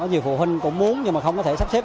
nhiều phụ huynh cũng muốn nhưng mà không có thể sắp xếp